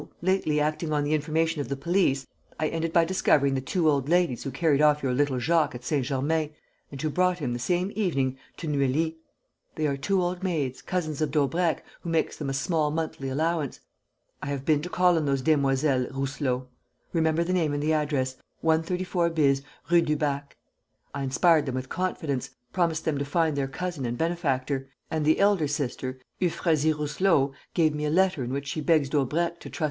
Lately, acting on the information of the police, I ended by discovering the two old ladies who carried off your little Jacques at Saint Germain and who brought him, the same evening, to Neuilly. They are two old maids, cousins of Daubrecq, who makes them a small monthly allowance. I have been to call on those Demoiselles Rousselot; remember the name and the address: 134 bis, Rue du Bac. I inspired them with confidence, promised them to find their cousin and benefactor; and the elder sister, Euphrasie Rousselot, gave me a letter in which she begs Daubrecq to trust M.